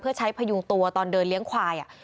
เพื่อใช้พยุงตัวตอนเดินเลี้ยงควาย